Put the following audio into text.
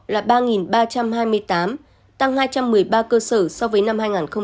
là ba ba trăm hai mươi tám tăng hai trăm một mươi ba cơ sở so với năm hai nghìn một mươi bảy